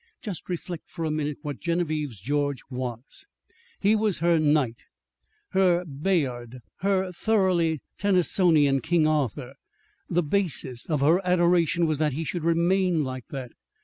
Just reflect for a minute what Genevieve's George was. He was her knight, her Bayard, her thoroughly Tennysonian King Arthur. The basis of her adoration was that he should remain like that.